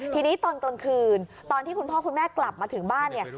ทีนี้ตอนกลางคืนตอนที่คุณพ่อคุณแม่กลับมาถึงบ้านเนี่ย